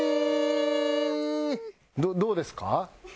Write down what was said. どうですか？